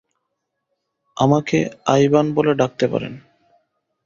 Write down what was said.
আমাকে আইভান বলে ডাকতে পারেন।